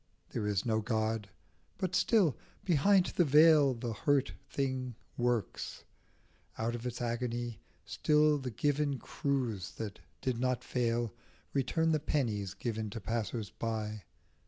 There is no God ; but still, behind the veil, The hurt thing works, out of its agony. Still like the given cruse that did not rail Return the pennies given to passers by.